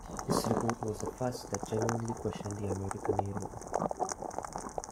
His report was the first that genuinely questioned the American air war.